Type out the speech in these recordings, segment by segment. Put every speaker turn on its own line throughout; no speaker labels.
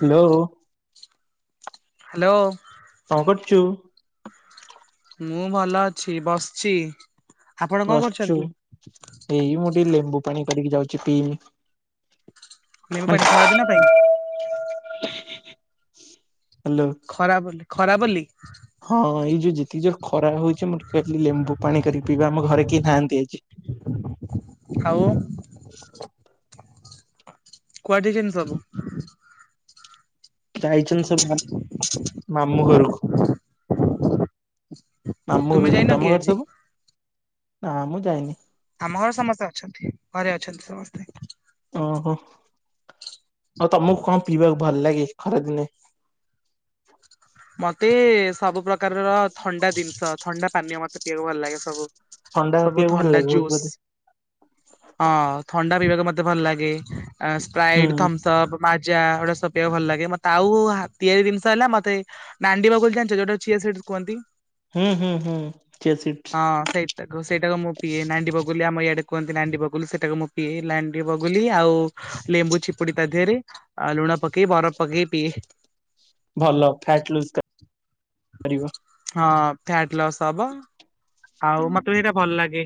Hello.
Hello.
କଁ କରୁଛୁ?
ମୁଁ ଭଲ ଅଛି, ବସିଛି। ଆପଣ କଣ
ବସିଛୁ।
କରୁଛନ୍ତି?
ଏଇ ମୁଁ ଟିକେ ଲେମ୍ବୁ ପାଣି କରିକି ଯାଉଛି ପିଇମି।
ଲେମ୍ବୁ ପାଣି ଖରା ଦିନ ପାଇଁ
[unintelligible] ହାଲୋ।
ଖରା ବୋଲି ଖରା ବୋଲି।
ହଁ ଏଇ ଯୋଉ ଯେତିକି ଯୋର ଖରା ହଉଛି ମୁଁ ଟିକେ ଆଜି ଲେମ୍ବୁ ପାଣି କରିକି ପିଇବି। ଆମ ଘରେ କେହି ନାହାନ୍ତି ଆଜି।
ଆଉ। କୁଆଡ଼େ ଯାଇଛନ୍ତି ସବୁ?
ଯାଇଛନ୍ତି ସବୁ ମାମ୍ ମାମୁଁ ଘରକୁ। ମାମୁଁ
ତୁମେ
ଘରକୁ ଯିବେ
ଯାଇନ କି
ତମ ଘରେ
ଆଜି?
ସବୁ? ନା ମୁଁ ଯାଇନି।
ଆମ ଘରେ ସମସ୍ତେ ଅଛନ୍ତି। ଘରେ ଅଛନ୍ତି ସମସ୍ତେ।
ଓହୋ ଆଉ ତମକୁ କଣ ପିଇବାକୁ ଭଲ ଲାଗେ ଖରାଦିନେ?
ମତେ ସବୁ ପ୍ରକାରର ଥଣ୍ଡା ଜିନିଷ। ଥଣ୍ଡା ପାନୀୟ ମତେ ପିଇବାକୁ ଭଲ ଲାଗେ ସବୁ।
ଥଣ୍ଡା
ସବୁ
ପିଇବାକୁ ଭଲ
ଥଣ୍ଡା
ଲାଗେ ବହୁତ
ଜୁସ୍।
ବୋଧେ
ହଁ ଥଣ୍ଡା ପିଇବାକୁ ମତେ ଭଲ ଲାଗେ।
ହୁଁ
ସ୍ପ୍ରାଇଟ୍ ଥମ୍ସଅପ୍। ମାଜା ଏଗୁଡ଼ା ସବୁ ପିଇବାକୁ ଭଲ ଲାଗେ ମତେ ଆଉ ହା ତିଆରି ଜିନିଷ ହେଲା ମତେ। ନାଣ୍ଡିବଗୁଲି ଜାଣିଛ ଯୋଉଟାକୁ ଚିଆ ସିଡ଼ସ କୁହନ୍ତି?
ହୁଁ ହୁଁ ହୁଁ ଚିଆସୀଡ୍।
ହଁ ସେଇଟାକୁ ସେଇଟାକୁ ମୁଁ ପିଏ ନାଣ୍ଡିବଗୁଲି ଆମ ଇଆଡେ କୁହନ୍ତି ନାଣ୍ଡିବଗୁଲି ସେଇଟାକୁ ମୁଁ ପିଏ ନାଣ୍ଡିବଗୁଲି ଆଉ। ଲେମ୍ବୁ ଚିପୁଡ଼ି ତା ଦେହରେ ଲୁଣ ପକେଇ ବରଫ ପକେଇ ପିଏ।
ଭଲ ଫ୍ୟାଟ ଲୁଜ କ କରିବ।
ହଁ ଫ୍ୟାଟ ଲସ୍ ହବ ଆଉ ମତେ ବି ସେଇଟା ଭଲ ଲାଗେ।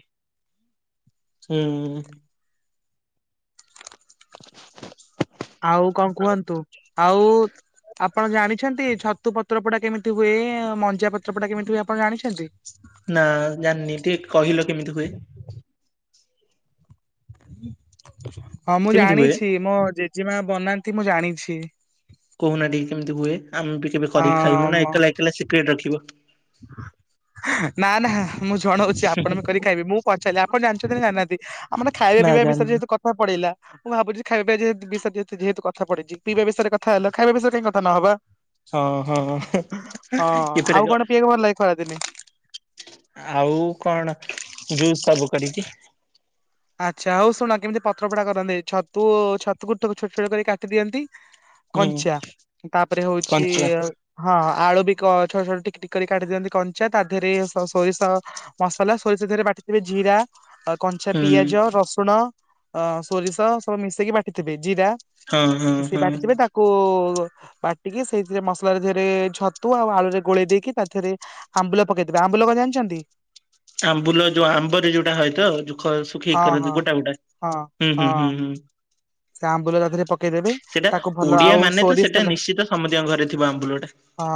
ହୁଁ। [inaudible]
ଆଉ କଣ କୁହନ୍ତୁ? ଆଉ। ଆପଣ ଜାଣିଛନ୍ତି ଛତୁ ପତ୍ର ପୋଡ଼ା କେମିତି ହୁଏ। ମଞ୍ଜା ପତ୍ର ପୋଡ଼ା କେମିତି ହୁଏ ଆପଣ ଜାଣିଛନ୍ତି?
ନା ଜାଣିନି ଟିକେ କହିଲ କେମିତି ହୁଏ?
ହଁ ମୁଁ
କେମିତି ହୁଏ?
ଜାଣିଛି ମୋ ଜେଜେମା ବନାନ୍ତି ମୁଁ ଜାଣିଛି।
କହୁନା ଟିକେ କେମିତି ହୁଏ ଆମେ ବି କେବେ କରିକି
ହଁ
ଖାଇମୁ ନା ଏକଲା ଏକଲା ସିକ୍ରେଟ ରଖିବ।
ହଁ [inaudible] ନା ନା ମୁଁ ଜଣଉଛି ଆପଣ ବି କରିକି ଖାଇବେ ମୁଁ ପଚାରିଲି ଆପଣ ଜାଣିଛନ୍ତି ନା ଜାଣିହାନ୍ତି। ଆ ମାନେ
ନା
ଖାଇବା ବିଷରେ
ଜାଣିନି।
ଯେହେତୁ କଥା ପଡ଼ିଲା। ମୁଁ ଭାବୁଛି ଖାଇବା ପିଇବା ଯେହେତୁ ବିଷୟ ରେ ଯେହେତୁ କଥା ପଡ଼ିଛି। ପିଇବା ବିଷୟ ରେ କଥା ହେଲ ଖାଇବା ବିଷୟରେ କାହିଁ କଥା ନହେବା।
ହଁ ହଁ ଏ ଥରିକ।
ଏ ଖରାଦିନେ।
ଆଉ କଣ ଜୁସ ସବୁ କରିକି।
ଆଚ୍ଛା ହଉ ଶୁଣ କେମିତି ପତ୍ର ପୋଡ଼ା କରନ୍ତି। ଛତୁ କୁ ଛୋଟ ଛୋଟ କରିକି କାଟି ଦିଅନ୍ତି।
ହୁଁ
କଞ୍ଚା ତାପରେ ହଉଛି।
କଞ୍ଚା
ହଁ ଆଳୁ ବି କ ଛୋଟ ଛୋଟ ଟିକି ଟିକି କରି କାଟି ଦିଅନ୍ତି କଞ୍ଚା ତା ଦେହରେ ସୋରିଷ ମସ୍ ସଲା ସୋରିଷ ଧିଅରେ ବାଟିଥିବେ ଜିରା କଞ୍ଚା
ହୁଁ
ପିଆଜ ରସୁଣ। ଅ ସୋରିଷ ସବୁ ମିଶେଇକି ବାଟିଥିବେ। ଜିରା
ହଁ ହଁ
ସେ
ହଁ।
ବାଟିଥିବେ ତା କୁ ବାଟିକି ସେଇଥିରେ ମସଲ ଧିଅରେ ରେ ଛତୁ ଆଉ ଆଳୁରେ ଗୋଳେଇ ଦେଇକି ତା ଧିଅରେ। ଆମ୍ବୁଲ ପକେଇଦେବେ ଆମ୍ବୁଲ କଁ ଜାଣିଛନ୍ତି?
ଆମ୍ବୁଲ ଯୋଉ ଆମ୍ବରେ ଯୋଉଟା ହଏ ତ ଯୋଉ ଖ
ହଁ
ଶୁଖେଇକି
ହଁ
କରନ୍ତି ଗୋଟା ଗୋଟା
ହଁ
ହୁଁ ହୁଁ
ହଁ
ହୁଁ ହୁଁ।
[inaudible] ସେ ଆମ୍ବୁଲ ତା ଦେହରେ ପକେଇଦେବି,
ସେଇଟା
ତାକୁ ଭଲ
ଓଡିଆ
ଆଉ
ମାନେ ତ
ସୋରିଷ
ସେଇଟା
ତେଲ
ନିଶ୍ଚିତ ସମସ୍ତଙ୍କ ଘରେ ଥିବ ଆମ୍ବୁଲଟା
ହଁ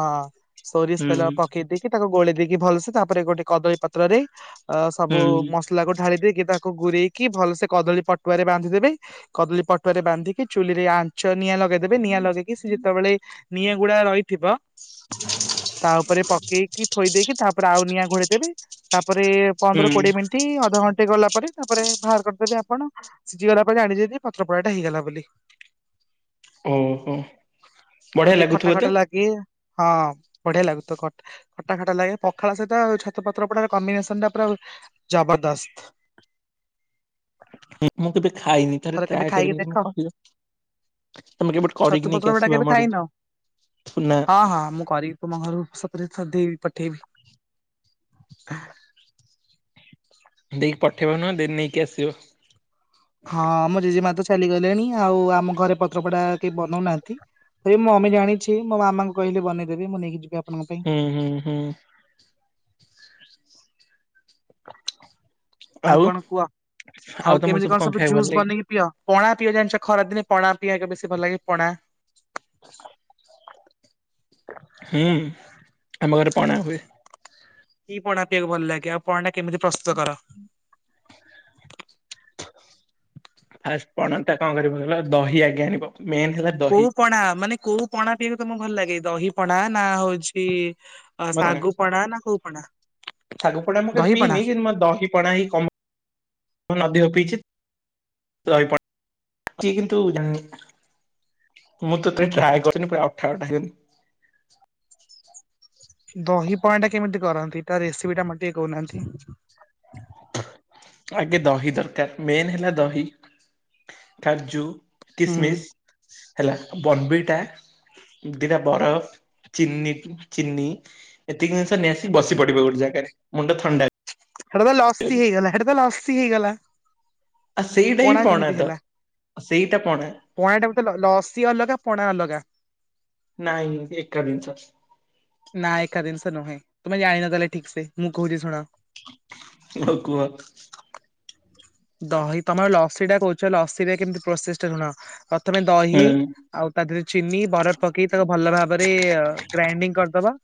ସୋରିଷ
ହୁଁ।
ତେଲ ପକେଇଦି କି ତାକୁ ଗୋଳେଇ ଦେଇକି ଭଲସେ ତାପରେ ଗୋଟେ କଦଳୀ ପତ୍ରରେ ଅ ସବୁ
ହୁଁ
ମସଲାକୁ ଢାଳି ଦେଇକି ତା ଗୁରେଇକି ଭଲ ସେ କଦଳୀ ପଟୁଆରେ ବାନ୍ଧିଦେବେ କଦଳୀ ପଟୁଆରେ ବାନ୍ଧିକି ଚୁଲିରେ ଆଞ୍ଚ ନିଆଁ ଲଗେଇଦେବେ, ନିଆଁ ଲଗେଇକି ସେ ଯେତବେଳେ ନିଆଁ ଗୁଡ଼ା ରହିଥିବ।
[inaudible]
ତା ଉପରେ ପକେଇକି ଥୋଇ ଦେଇକି ତାପରେ ଆଉ ନିଆଁ ଘୋଡ଼େଇ ଦେବେ। ତାପରେ ପନ୍ଦର
ହୁଁ
କୋଡିଏ ମିନିଟ ଅଧଘଣ୍ଟେ ସିଜିଗଲା ପରେ ତାପରେ ବାହାର କରିଦେବେ ଆପଣ ସିଜିଗଲା ପରେ ଜାଣିଦେବେ ଯେ ପତ୍ର ପୋଡ଼ାଟା ହେଇଗଲା ବୋଲି।
ଓହୋ ବଢିଆ
ଯଦି ଖଟା
ଲାଗୁଥିବ ତ?
ଖଟା ଲାଗେ ହଁ ବଢିଆ ଲାଗୁଚି ତ ଖଟା। ଖଟା ଖଟା ଲାଗେ ପଖାଳ ସହିତ ଛତୁ ପତ୍ର ପୋଡା କମ୍ବିନେସନ ଟା ପୁରା ଜବରଦସ୍ତ।
ମୁଁ କେବେ ଖାଇନି ଥରେ
କେବେ
ଟ୍ରାଏ
ଖାଇକି
କରିବି।
ଦେଖ
[unintelligible] ତମେ କେବେ
ଛତୁ
କରିିକି
ପତ୍ର
ନେଇକି
ପୋଡା
ଆସିବ
କେବେ
ଆମ
ଖାଇନ?
ଆଡ଼କୁ ଥୁନା।
ହଁ ହଁ ମୁଁ କରିକି ତମ ଘରକୁ ସତରେ ଥରେଟେ ପଠେଇବି।
ଦେଇକି ପଠେଇବ ନୁହଁ ନେଇକି ଆସିବ।
ହଁ ମୋ ଜେଜେମା ତ ଚାଲିଗଲେଣି ଆଉ ଆମ ଘରେ ପତ୍ରପୋଡ଼ା କେହି ବନଉନାହାନ୍ତି। ଆରେ ମୁଁ ଆମେ ଜାଣିଛି ମୋ ମାମା କହିଲେ ବନେଇଦେବେ ମୁଁ ନେଇକି ଯିବି ଆପ
ହୁଁ ହୁଁ ହୁଁ।
ଆଉ କଣ କୁହ। ଆଉ
ତମକୁ
କେମିତି କଣ ସବୁ
ଖାଇବାକୁ ଭଲ
ଜୁସ୍
ଲାଗେ?
ବନେଇ ପିଅ ପଣା ପିଅ ଜାଣିଛ ଖରା ଦିନେ ପଣା ପିଇବାକୁ ବେଶି ଭଲଲାଗେ ପଣା
[inaudible] ହୁଁ ଆମ ଘରେ ପଣା ହୁଏ।
କି ପଣା ପିଇକୁ ଭଲ ଲାଗେ? ଆଉ ପଣାଟା କେମିତି ପ୍ରସ୍ତୁତ କର?
ଫାଷ୍ଟ ପଣା ଟା କଣ କରିବ କହିଲ ଦହି ଆଗେ ଆଣିବ ମେନ୍ ହେଲା ଦହି
କୋଉ ପଣା ମାନେ କୋଉ ପଣା ପିଇବାକୁ ତମକୁ ଭଲ ଲାଗେ? ଦହି ପଣା ନା ହଉଛି ଅ
[unintelligible]
ଶାଗୁ ପଣା ନା କୋଉ ପଣା?
କିନ୍ତୁ ମତେ
ଦହିପଣା
ଦହି ପଣା ହିଁ କମ୍ [unintelligible] ଦହି ପଣା। [unintelligible] ମୁଁ ତତେ ଟ୍ରାଏ କରିନି ପୁରା ଅଠା ଅଠା ହେଉ
ଦହି ପଣା ଟା କେମିତି କରନ୍ତି ତା ରେସିପିଟା ମତେ ଟିକେ କହୁନାହାନ୍ତି?
ଆଗେ ଦହି ଦରକାର ମେନ ହେଲା ଦହି, କାଜୁ
ହୁଁ
କିସମିସ ହେଲା ବନବିଟା ଦିଟା ବରଫ ଚିନି, ଚିନି ଏତିକି ଜିନଷ ନେଇ ଆସି ବସି ପଡ଼ିବ ଗୋଟେ ଜାଗାରେ ମୁଣ୍ଡ ଥଣ୍ଡା
ହେଟା ତ ଲସି ହେଇଗଲା ହେଟା ତ ଲସି ହେଇଗଲା।
ଆଉ ସେଇଟା ହିଁ ପଣା
କେମିତି
ତ
ହେଲା?
ସେଇଟା ପଣା।
ପଣା ଟା ତ ଲସି ଅଲଗା ପଣା ଅଲଗା।
ନାଇଁ ଏକା ଦିନିଷ।
ନାଁ ଏକା ଦିନିସ ନୁହେଁ, ତୁମେ ଜାଣିନ ତାହାଲେ ଠିକ୍ ସେ ମୁଁ କହୁଛି ଶୁଣ
ହଉ କୁହ।
ଦହି ତମର ଲସି ଟା କହୁଛ ଲସିରେ କେମିତି ପ୍ରୋସେସଟା ଶୁଣ ପ୍ରଥମେ
ହୁଁ
ଦହି ଆଉ ତା ଦେହରେ ଚିନି ବରଫ ପକେଇ ତାକୁ ଭଲ ଭାବରେ ଗ୍ରାଇଣ୍ଡିଙ୍ଗ କରିଦବା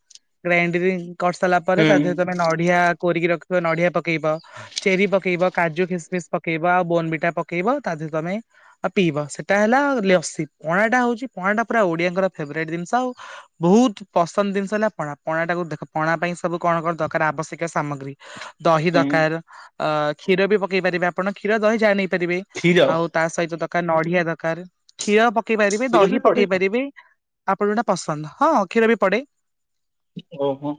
ଗ୍ରାଇଣ୍ଡରେ କରିସାରିଲା ପରେ
ହୁଁ
ତା ଦେହରେ ତମେ ନଡିଆ କୋରିକି ରଖିବ ନଡିଆ ପକେଇବ ଚେରି ପକେଇବ କାଜୁ ଖୀ କିସ୍ମିସ୍ ପକେଇବ ଆଉ ବୋନ ବିଟା ପକେଇବ ତା ଦେହରେ ତମେ। ଆଉ ପିଇବ ସେଇଟା ହେଲା ଲସି ପଣାଟା ହଉଛି ପଣାଟା ପୁରା ଓଡିଆଙ୍କର ଫେଭରାଇଟ୍ ଜିନିଷ ଆଉ। ବହୁତ ପସନ୍ଦ ଜିନିଷ ହେଲା ପଣା ପଣା ଟାକୁ ଦେଖ ପଣା ପାଇଁ ସବୁ କଣ କଣ ଦରକାର ଆବଶ୍ୟକୀୟ ସାମଗ୍ରୀ। ଦହି
ହୁଁ
ଦରକାର କ୍ଷୀର ବି ପକେଇ ପାରିବେ ଆପଣ କ୍ଷୀର ଦହି ଯାହାବି ନେଇପାରିବେ
କ୍ଷୀର
ଆଉ। ତା ସହିତ ଦରକାର ନଡିଆ ଦରକାର କ୍ଷୀର ପକେଇ ପାରିବେ
କ୍ଷୀର
ଦହି
ବି ପଡେ
ପକେଇ ପାରିବେ। ଆପଣ ଯୋଉଟା ପସନ୍ଦ ହଁ କ୍ଷୀର ବି ପଡେ।
ଓହୋ।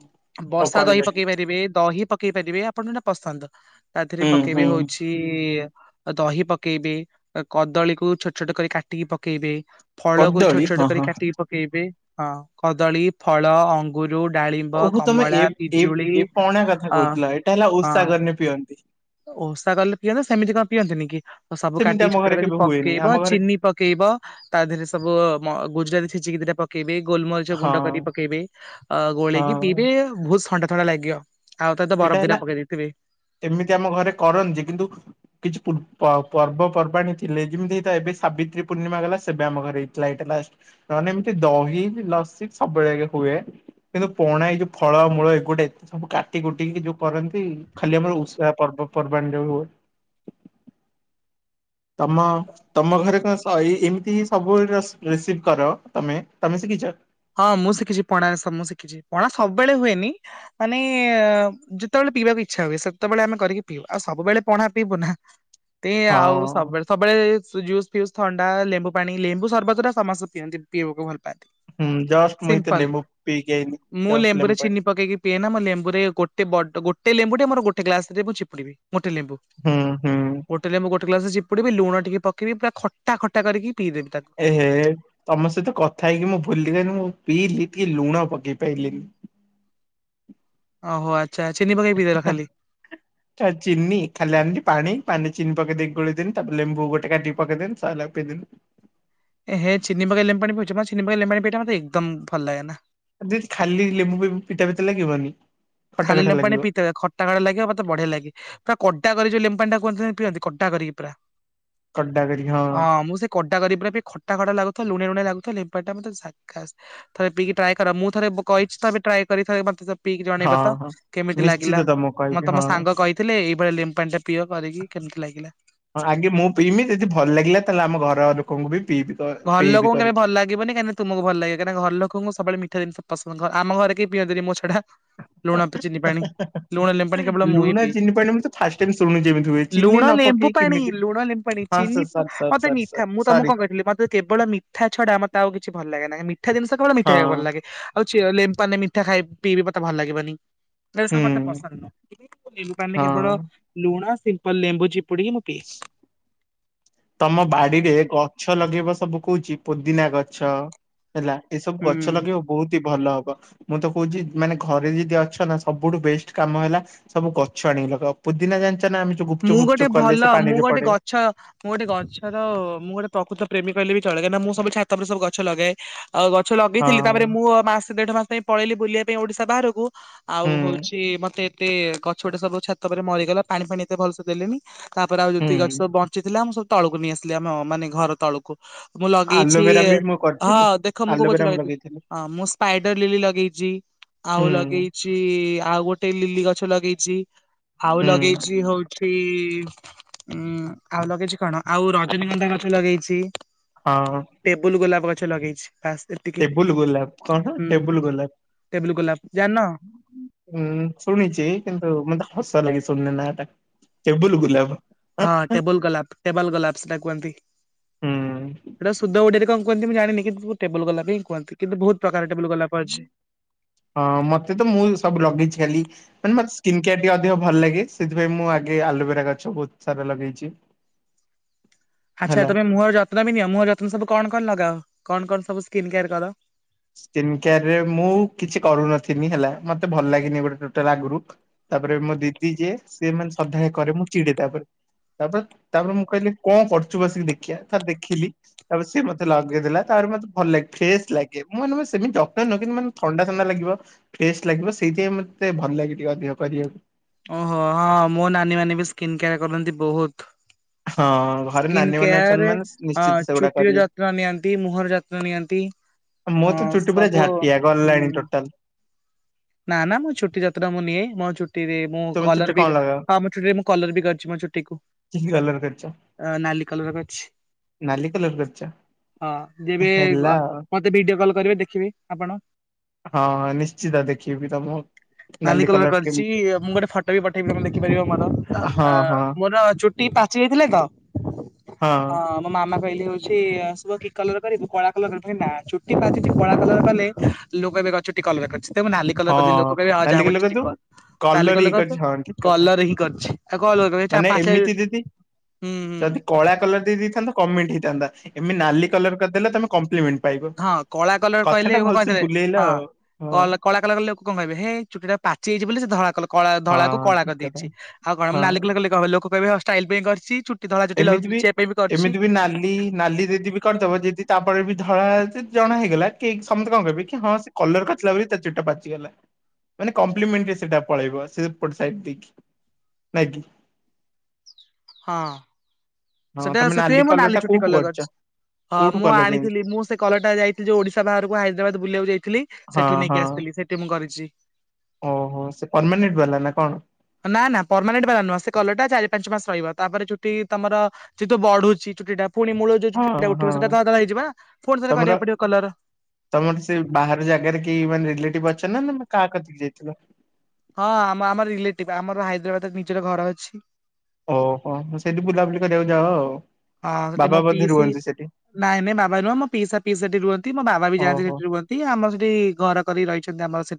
ହଉ
ବସା ଦହି
କହିଲ
ପକେଇ ପାରିବେ ଦହି ପ ପକେଇ ପାରିବେ ଆପଣଯୋଉଟା ପସନ୍ଦ ତା ଦେହରେ
ଟିକେ ହୁଁ ହୁଁ
ପକେଇବେ ହଉ କି ଦହି ପକେଇବେ କଦଳୀକୁୁ ଛୋଟ ଛୋଟ କରି କାଟିକି ପକେଇବେ। ଫଳକୁ ଛୋଟ
କଦଳୀ
ଛୋଟ
ହଁ
କରି
ହଁ
କାଟିକି ପକେଇବେ ହଁ କଦଳୀ ଫଳ ଅଙ୍ଗୁର ଡାଳି
ଓ ତମେ ଏ ଏ ଏ ପଣା କଥା
ଅ
କହୁଥିଲ ଏଇଟା ହେଲା
ହଁ
ଓଷାକଲେ ପିଅନ୍ତି।
ଓଷା କଲେ ପିଅନ୍ତି ସେମିତି କଣ ପିଅନ୍ତି ନି କି? ଓ ସବୁ
ସେମିତି
କାଟିକି
ଆମ
ଛୋଟ
ଘରେ
ଛୋଟ କରି
କେବେ ହୁଏନି
ପକେଇବ
ଆମ ଘରେ
ଚିନି ପକେଇବ। ତା ଦେହରେ ସବୁ ମ ଗୁଜୁରାତି ଛେଚିକିଦିଟା ପ ପକେଇବେ ଗୋଲମରିଚ ଗୁଣ୍ଡ
ହଁ
କରି ପକେଇବେ ଅ ଗୋଳେଇକି
ହଁ
ପିଇବେ ବହୁତ ଥଣ୍ଡା ଥଣ୍ଡା ଲାଗିବ। ଆଉ ତା
ଏଇଟା ହେଲା
ବରଫଦିଟା ପକେଇ ଦେଇଥିବେ।
ଏମିତି ଆମ ଘରେ କରନ୍ତି କିନ୍ତୁ କିଛିପୂର୍ବ ପର୍ବପର୍ବାଣିୀ ଥିଲେ ଯେମିତି ଏଟା ଏବେ ସାବିତ୍ରୀ ପୂର୍ଣ୍ଣିମା ଗଲା ସେବେ ଆମ ଘରେ ହେଇ ଥିଲା ଏଇଟା ଲାଷ୍ଟ ନାହେଲେ ଏମିତି ଦହି କି ଲସି ସବୁବେଳେ ହୁଏ। କିନ୍ତୁ ପଣା ଏଇ ଯୋଉ ଫଳ ମୂଳ ଏଗୁଡା ଏତେ ସବୁ କାଟ ଗୋଟି ଯୋଉ କରନ୍ତି ଖାଲି ଆମର ଓଷା ପର୍ବପର୍ବାଣି ରେ ହୁଏ। ତମ ତମ ଘରେ କଣ ତ ଏଇ ଏମିତି ସବୁ ରେସିପି ରିସିଭ୍ କର ତମେ ତମେ ଶିଖିଛ?
ହଁ ମୁଁ ଶିଖିଛି ପଣା ମୁଁ ଶିଖିଛି ପଣା ସବୁବେଳେ ହୁଏନି ମାନେ ଅ ଯେତେବେଳେ ପିଇବାକୁ ଇଚ୍ଛା ହୁଏ ସେତେବେଳେ ଆମେ କରିକି ପିଇବୁ ଆଉ ସବୁବେଳେ ପଣା ପିଇବୁ ନା। ଏତେ
ହଁ
ଆଉ ସବୁବେଳେ ସବୁବେଳେ ଜୁସ ଫିୟୁସ ଥଣ୍ଡା ଲେମ୍ବୁ ପାଣି ଲେମ୍ବୁ ସର୍ବତ ଟା ସମସ୍ତେ ପିଅନ୍ତି ପିଇବାକୁ ଭଲ ପାଆନ୍ତି।
ହୁଁ ଯ
ସିମ୍ପଲ ମୁଁ
ଲେମ୍ବୁ
ଲେମ୍ବୁରେ
ପାଣି
ଚିନି ପକେଇକି ପିଏନା ମୁଁ ଲେମ୍ବୁରେ ଗୋଟ ବଡ ଗୋଟେ ଲେମ୍ବୁ ଟେ ଗୋଟେ ଗ୍ଲାସରେ ମୁଁ ଚିପୁଡିବି ଗୋଟେ ଲେମ୍ବୁ।
ହୁଁ ହୁଁ।
ଗୋଟେ ଲେମ୍ବୁ ଗୋଟ ଗ୍ଲାସରେ ଚିପୁଡିବି ଲୁଣ ଟିକେ ପକେଈବି ପୁରା ଖଟାଖଟା କରିକି ପିଇ ଦେବି ତାକୁ।
ଏହେ ତମ ସହିତ କଥା ହେଇକି ମୁଁ ଭୁଲିି ଗୋଲି ମୁଁ ପିଇଲି ଟିକେ ଲୁଣ ପକେଇ ପାଇଲିନି।
ଓହୋ ଆଚ୍ଛା ଚିନି ପକେଇ ପିଇ
ହାଁ,
ଦେଲଖାଲି?
ତା ଚିନି ଖାଲି ଆଣିଲି ପାଣି ପାଣି ରେ ଚିନି ପକେଇ ଦେଇକି ଗୋଳେଇଦେଲି ତାପରେ ଲେମ୍ବୁ ଗୋଟେ କାଟିକି ପକେଇଦେଲି ସଇଲା ପିଇ ଦେଲି।
ଏ ହେ ଚିନିି ପକେଇ ଲେମ୍ବୁ ପାଣି ପିଉଛ ମତେ ଚିନି ପକେଇ ଲେମ୍ବୁ ପାଣି ପିଇଲେ ମତେ ଏକଦମ ଭଲ ଲାଗେ ନା।
ଯଦି ଖାଲିଲେମ୍ବୁ ଫେମ୍ବୁ ପିତା ପିତା ଲାଗିବନି? ଖଟା
ଖାଲି
ଖଟା
ଲେମ୍ବୁ ପାଣି
ଲାଗିବ
ପିତା ଲାଗେ ଖ ଖଟା ଖଟା ଲାଗେ ମତେ ବଢିଆ ଲାଗେ ପା କଡା କରି ଯଉ ଲେମ୍ବୁ ପାଣି କୁହନ୍ତିନି ପିଅନ୍ତି କଡା କରିକି ପୁରା।
ଖଟା କରିକି
ହଁ ମୁଁ ସେ। କଡା କରି ପୁରା ପୁରା ଖଟା ଖଟା ଲାଗୁଥିବ ଲୁଣିଆ ଲୁଣିଆ ଲାଗୁଥିବ ଲେମ୍ବୁ ପାଣି ଟା ପୁରା ଝାକାସ। ଥରେ ପିଇିକି ଟ୍ରାଏ କର ମୁଁ ଥରେ କହିଛି ଥରେ ଟ୍ରାଏ କରି ଥରେ ମତେ ପିଇିକି
ହଁ
ଜଣେଇବ। ତ
ହଁ
କେମିତି
ନିଶ୍ଚିତ
ଲାଗିଲା।
ତମକୁ
ମତ
କହିବି
ତମ
ହଁ।
ସାଙ୍ଗ କହିଥିଲେ ଏଇଭଳିଆ ଲେମ୍ବୁ ପାଣିଟା ପିଅ କରିକି କେମିତି ଲାଗିଲା।
ହଁ ଆଗେ ମୁଁ ପିଇମିଁ, ଯଦି ଭଲ ଲାଗିଲା ତାହେଲେ ଆମ ଘର ଲୋକଙ୍କୁ ବି ପିଇବି। କ
ଭଲ
ପିଇବି
ଲୋକଙ୍କୁ କେବେ
କରିକି।
ଭଲ ଲାଗେ ଲାଗିବନ, କାହିଁକି ତୁମକୁ ଭଲ ଲାଗେ। କାହିଁକି ନା ଘର ଲୋକଙ୍କୁ ସବୁବେଳେ ମିଠା ଜିନଷ ପସନ୍ଦ, ଘ ଆମ ଘରେ କିିଅ ପିଅନ୍ତିିନୀ ମୋ ଛଡା। ଲୁଣ [inaudible] ଚିନିପାଣି। ଲୁଣ ଲେମ୍ବୁ ପାଣି କେବଳ ମୁହିଁ
ଲୁଣ
ପିଏ,
ଚିନି ପାଣି ମୁଁ ତ ଫାଷ୍ଟ ଟାଇମ ଶୁଣୁଛି ଏମିତି ହୁଏ ଚିନି
ଲୁଣ
ନ
ଲେମ୍ବୁ
ପକେଇ
ପାଣି
କେମିତି
ଲୁଣ ଲେମ୍ବୁ ପାଣି।
ହଁ
ଚିନି
ସାର୍
ପ
ସାର୍ ସାର୍
ମତେ
ସାର୍
ମିଠା,
ସାର୍
ମୁଁ ତମକୁ
ସରି
କଣ କହିଥିଲି ମତେ କେବଳ ମିଠା ଛଡା ମତେ ଆଉ କିଛି ଭଲ ଲାଗେନା, ହେ ମିଠା ଜିନିଷ କେବଳ ମିଠା ଖାଇବା ଭଲ
ହଁ
ଲାଗେ ହଉଛି [unintelligible] ମିଠା ଖାଇ ପିଇବି ମତେ ଭଲ ଲାଗିବନି। ଏ ସବୁ ମତେ
ହୁଁ
ପସନ୍ଦ ନୁହଁ, ଲେମ୍ବୁପାଣିରେ କେବଳ
ହଁ
ଲୁଣ ସିମ୍ପଲ ଲେମ୍ବୁ ଚିପୁଡିକି ମୁଁ ପିଏ।
[unintelligible] ତମ ବାଡିରେ ଗଛ ଲଗେଇବ ସବୁ କହୁଚି ପୋଦିନା ଗଛ ହେଲା, ଏ ସବୁ ଗଛ
ହୁଁ।
ଲଗେଇବ ବହୁତ ହି ଭଲ ହବ। ମୁଁ ତ କହୁଛି ମାନେ ଘରେ ଯଦି ଅଛ ନା ସବୁଠୁ ବେଷ୍ଟ କାମ ହେଲା ସବୁ ଗଛ ଆଣିକି ଲଗେଇବ, ପୁଦିନା ଜାଣିଛ ନା ଆମତି
ମୁଁ ଗୋଟେ ଭଲ, ମୁଁ ଗୋଟେ ଗଛ ମୁଁ ଗୋଟେ ଗଛର, ମୁଁ ଗୋଟେ ପ୍ରକୃତ ପ୍ରେମୀ କହିଲେ ବି ଚଳେ। କାହିଁକି ନା ମୁଁ ସବୁ ଛାତ ଉପରେ ସବୁ ଗଛ ଲଗାଏ। ଆଉ ଗଛ ଲଗେଇଥିଲି। ତାପରେ
ହଁ
ମୁଁ ଅ ମାସେ ଦେଢ ମାସେ ପାଇଁ ପଳେଇଲି ବୁଲିଆ ପାଇଁ ଓଡିଶା ବାହାରକୁ ଆଉ
ହୁଁ
ହଉଛି ମତେ ଏତେ ଗଛ ଗୋଟେ ସବୁ ଛାତ ଉପରେ ମରିଗଲା, ପାଣି ଫାଣି ଏତେ ଭଲସେ ଦେଲେନି। ତାପରେ ଆଉ ଯେତିକି ଗଛ
ହୁଁ
ସବୁ ବଞ୍ଚିଥିଲା, ମୁଁ ସବୁ ତଳକୁ ନେଇ ଆସିଲି ଆମ ମାନେ ଘର ତଳୁକୁ। ମୁଁ ଲଗେଇଛି,
ଆଲୋଭେରା ବି ମୁଁ
ହଁ
କରିଥିଲି।
ଦେଖ ମୁଁ କୋଉ ଗଛ
ଆଲୋଭେରା
ଲଗେଇଛି!
ଲଗେଇଥିଲି
ହଁ ମୁଁ ସ୍ପାଇଡର ଲିଲି ଲଗେଇଚି ଆଉ
ହୁଁ
ଲଗେଇ ଛି ଆଉ ଗୋଟେ ଲିଲି ଗଛ ଲଗେଇଛି ଆଉ
ହୁଁ
ଲଗେଇଛି ହଉ ଛି ଉଁ ଆଉ ଲଗେଇଛି କଣ, ଆଉ ରଜନୀଗନ୍ଧା ଗଛ ଲଗେଇଛି।
ଆ ହୁ
ଟେବୁଲ ଗୋଲାପ ଗଛ ଲଗେଇଛି ଫାଷ୍ଟ [unintelligible]
ଟେବୁଲ ଗୋଲାପ କଣ? ଟେବୁଲ ଗୋଲାପ!
ଟେବୁଲ ଗୋଲାପ ଜାଣିନ?
ଉଁ ଶୁଣିଛି କିନ୍ତୁ, ମତେ ହସ ଲାଗେ ଶୁଣିଲେ ନାଁ ଟା। କେବୁଲ ଗୁଲାବ!
ହଁ ଟେବୁଲ ଗୋଲାପ ଟେବଲ ଗୋଲାପ ସେଟା କୁହନ୍ତି।
ହୁଁ
ସେଇଟା ସୁଧ ଓଡିଆରେ କଣ କୁହନ୍ତି ମୁଁ ଜାିଣିନି, କିନ୍ତୁ ଟେବୁଲ ଗୋଲାପ ହିଁ କୁହନ୍ତି, କିନ୍ତୁ ବହୁତ ପ୍ରକାର ଟେବୁଲ ଗୋଲାପ ଅଛି।
ହଁ, ମତେ ତ ମୁଁଇ ସବୁ ଲଗେଇଛି ଖାଲି ମାନେ ମୋର ସ୍କିନ୍ କେୟାର ଟିକେ ଅଧିକ ଭଲ ଲାଗେ, ସେଥିପାଇଁ ମୁଁ ଆଗେ ଆଲୋଭେରା ଗଛ ବହୁତ ସାରା ଲଗେଇଛି।
[unintelligible] ଆଚ୍ଛା
ହେଲା।
ତମେ ମୁହଁ ର ଯତ୍ନ ବି ନିଅ, ମୁହଁ ଯତ୍ନ ସବୁ କଣ କଣ ଲଗାଅ? କଣ, କଣ ସବୁ ସ୍କିନ କେୟାର କର?
ସ୍କିନ କେୟାରରେ ମୁଁ କିଛି କରୁନଥିନି ହେଲା, ମତେ ଭଲ ଲାଗିନି ଗୋଟେ ଟୋଟାଲ ଆଗରୁ ତାପରେ ମୋ ଦିଦି ଯିଏ, ସିଏ ମାନେ ସଧାଳେ କରେ ମୁଁ ଚିଡେ ତା ଉପରେ। ତାପରେ, ତାପରେ ମୁଁ କହିଲି କଣ କରୁଛୁ ବସିକି ଦେଖିଆ ତାର ଦେଖିଲି। ତାପରେ ସେ ମତେ ଲଗେଇ ଦେଲା, ତାପରେ ମତେ ଭଲ ଲାଗେ ଫ୍ରେଶ ଲାଗେ। [unintelligible] କିନ୍ତୁ ମାନେ ଥଣ୍ଡା ଥଣ୍ଡା ଲାଗିବ। ଫ୍ରେଶ ଲାଗିବ, ସେଇଥିପାଇଁ ମତେ ଭଲ ଲାଗେ ଟିକେ ଅଧିକ କରିଆକୁ।
ଓହୋ ହଁ ମୋ ନାନୀ ମାନେ ବି ସ୍କିନ୍ କେୟାର କରନ୍ତି ବହୁତ।
ହଁ ଘରେ
ସ୍କିନ୍
ନାନୀ ମାନେ ଅଛନ୍ତି
କେୟାରରେ
ମାନେ
ହଁ
ନିଶ୍ଚିତ ସେଗୁଡା
ଚୁଟିର
କରିବେ।
ଯତ୍ନ ନିଅନ୍ତି, ମୁହଁର ଯତ୍ନ ନିଅନ୍ତି।
ମୁଁ
ହଁ
ତ ଚୁଟି ପୁରା
ସବୁ
ଝାଟିଆ
ହୁଁ!
ଗଲାଣି ଟୋଟାଲ
ନା ନା ମୋ ଛୁଟି ଯତ୍ନ ମୁଁ ନିଏ, ମୋ ଚୁଟିରେ ମୁଁ
ତମେ ଚୁଟି
କଲର ବି
କଣ
କେ,
ଲଗାଅ?
ହଁ ମୋ ଚୁଟିରେ ମୁଁ କଲର ବି କରିଛି ମୋ ଚୁଟି କୁ।
କି କି କଲର କରିଚ?
ଅ ନାଲି କଲର କରିଛି।
ନାଲି କଲର କରିଚ?
ହଁ ଯେବେ ଗ ମତେ ଭିଡିଓ କଲ୍ କରିବେ ଦେଖିବେ ଆପଣ।
ହଁଁ ହଁ ନିଶ୍ଚିତ ଦେଖେଇବି ତମ
ନାଲି କଲର କରିଛି ମୁଁ ଗୋଟେ ଫଟୋ ବି ପଠେଇବି ତେ ଲଖିପାରିବ ମୋର
ହଁ
ଆ
ହଁ
ମୋର ଚୁ ଟି ପାଚ ଯାଇଥିଲେ ତ, ହଁ ମୋ ମାମା କହିଲେ ହଉଛି ଶୁଭ କି କଲର କରିବୁ କଳା କଲର କରିବ ଚୁଟିଠି କଳା କଲର କଲେ ଲୋକ କହିବେ ଚୁଟି କଲର କରିଚି ତ ନାଲି କଲର କରିଦେଲି।
ହଁ
କହି ଆଉ
ନାଲି
ଯାହା
କଲର
ପଡୁଛି
କରିଦବୁ।
କ ତାଲି କଲର
ଇଏ
କରିଛ
କରିଛି ହଁ ଠିକ କଥା
କଲର ହିଁ କରିଛି ଆଉ କ କହରେ?
ମାନେ ଏମିତି ଦିଦି ଯଦି କଳା କଲର ଦେଇଥାନ୍ କମେଣ୍ଟ ହେଇଥାନ୍ତା ଏମତି ନାଲି କଲର କରିଦେଲେ ତମ କମ୍ପ୍ଲିମେଣ୍ଟ। ପାଇବ।
ହଁ କଳା କଲର କହିଲେ
କଥାଟା
କଣ
ଭଲସେ
କହିଥିଲେ
ବୁଲେଇଲ
ହଁ
ଆଉ ହଁ
କଳା [unintelligible] କଲେ ଲୋକ କଣ ଭାବିବେ! ହେଇ ଚୁଟିଟା ପାଚି ଯାଇଛି ବୋଲି ସେ ଧଳା କଲ କଳା ଧଳା କୁ
ହଁ
କଳା
ଠିକ
କରି
କଥା
ଦେଇଛି, ଆଉ କଣ ମୁଁ
ହଁ।
ନାଲି କଲର କଲେ କଣ କହିବେ ଲୋକ କହିବେ ଷ୍ଟାଇଲ ପାଇଁ କରିଚି ଚୁ
ଏମିତି ବି ଏମିତି ବି ନାଲି ନାଲି ଦେଇଥିବେ କରିଦବ ଯଦି ତାପରେ ବି ଧଳା ଆସେ ଜଣା ହେଇଗଲା କି ସମତେ କଣ କହିବେ କି ହଁ ସେ କଲର କରିଥିଲା ବୋଲି ତା ଚୁଟିଟା ପାଚି ବୁଝିହେଲା ମାନେ କମ୍ପ୍ଲିମେଣ୍ଟ ରେ ସେଇଟା ପଳେଇବ ସେପଟ ସାଇଟି ଦେଇକି ନାଇଁକି?
ହଁ
ହଁ
ସେଟା
ତମେ
ସେଥିପାଇଁ ମୁଁ
କଲରଟା
ନାଲି ଚୁଟି
କୋଉଠୁ
କଲର
କରିଚ?
କରିଚି। ହଁ
କୋଉଠୁ
ମୁଁ
କଲ ଯାଇକି
ଆଣିଥିଲି ମୁଁ ସେ କଲରଟା ଯାଇଥିଲି ଯୋଉ ଓଡିଶା ବାହାରକୁ ହାଇଦ୍ରାବାଦ ବୁଲିଆକୁ ଯାଇଥିଲି
ହଁ
ସେଠୁ ନେଇକି
ହଁ
ଆସିଥିଲି ସେଠି ମୁଁ କରିଛି।
ଓହୋ ସେ ପରମାନେଣ୍ଟ ବାଲା ନା କଣ?
ନା ନା ପରମାନେଣ୍ଟ ବାଲା ନୁହଁ ସେ କଲରଟା ଚାରି ପାଞ୍ଚ ମାସ ରହିବ ତାପରେ ଚୁଟି ତମର ସେ ତ ବଢୁଛି ଚୁଟି ଟା ପୁଣି ମୂଳ ଯୋଉ ଚୁଟି
ହଁ
ଟା
ହଁ
ଉଠିବ ସେଇଟା ଧଳା ଧଳା ହେଇଯିବ ନା! ପୁଣି ଥରେ
ତମର
କରିଆକୁ ପଡିବ କଲର।
ତମର ସେ ବାହାର ଜାଗାରେ କେହି ମାନେ ରିଲେଟିଭ ଅଛନ୍ତି ନା ତମେ କାହା କତିକି ଯାଇଥିଲ?
ହଁ ଆମ ଆମର ରିଲେଟିଭ ଆମର ହାଇଦ୍ରାବାଦରେ ନିଜର ଘର ଅଛି।
ଓହୋ ସେଇଠି ବୁଲାବୁଲି କରିବାକୁ ଯାଅ ଆଉ
ହଁ ସେଠି ମୋ
ବାବା ବୋଧେ
ପିଇସି
ରୁହନ୍ତି ସେଠି।
ନାଇଁ ନାଇ ବାବା ନୁହଁ ମୋ ପିଇସା ପିସି ସେଠି ରୁହ ମୋ ବାବା ବି ଯାନ୍ତି
ଓହୋ।
ସେଠି ରୁହନ୍ତି। ଦିଏ ଆମର ସେଠି ଘର କରି ରହିଛନ୍ତି ଆମର ସେଠି